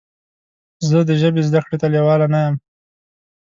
زه د ژبې زده کړې ته لیواله نه یم.